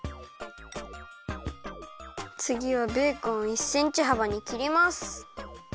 つぎはベーコンを１センチはばにきります。